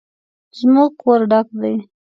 زموږ کور ډک دی